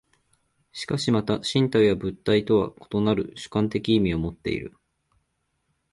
しかしまた身体は物体とは異なる主体的意味をもっている。